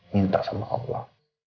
minta sama allah